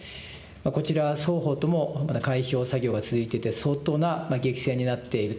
こちら双方ともまだ開票作業が続いていて相当な激戦になっていると。